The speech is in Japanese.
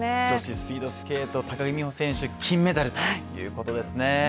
女子スピードスケート、高木美帆選手金メダルということですね。